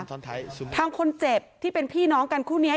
ทางคนเจ็บที่เป็นพี่น้องกันคู่นี้